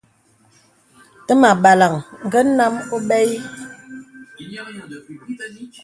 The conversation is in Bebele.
Təmà àbālaŋ ngə nám óbə̂ ï.